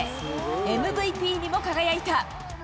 ＭＶＰにも輝いた。